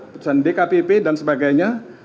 putusan dkpp dan sebagainya